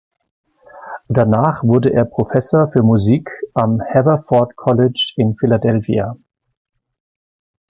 Danach wurde er Professor für Musik am "Haverford College" in Philadelphia.